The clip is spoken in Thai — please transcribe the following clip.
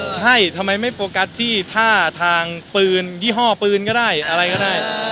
ใช่ทำไมไม่โฟกัสที่ท่าทางพื้นยี่ห้อพื้นก็ได้